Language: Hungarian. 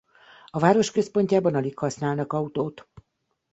A város központjában alig használnak autót.